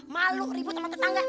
malu ribut sama tetangga